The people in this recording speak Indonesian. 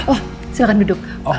oh silahkan duduk